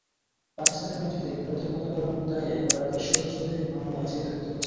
পাকিস্তানের মাটিতে ভারতের পতাকা ওড়ানোর দায়ে করা দেশদ্রোহের মামলায় জেল খাটতে হচ্ছে।